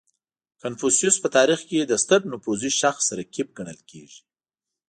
• کنفوسیوس په تاریخ کې د ستر نفوذي شخص رقیب ګڼل کېږي.